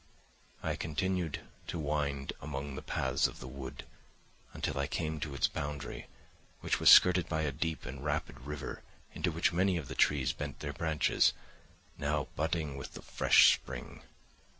"I continued to wind among the paths of the wood, until I came to its boundary, which was skirted by a deep and rapid river, into which many of the trees bent their branches, now budding with the fresh spring.